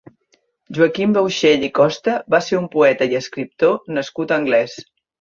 Joaquim Bauxell i Costa va ser un poeta i escriptor nascut a Anglès.